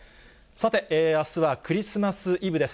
さて、あすはクリスマスイブです。